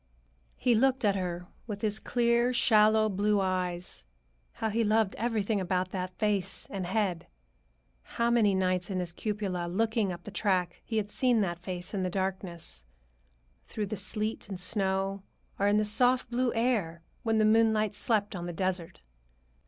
He looked at her with his clear, shallow blue eyes. How he loved everything about that face and head! How many nights in his cupola, looking up the track, he had seen that face in the darkness; through the sleet and snow, or in the soft blue air when the moonlight slept on the desert.